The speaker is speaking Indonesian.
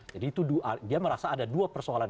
jadi dia merasa ada dua persoalan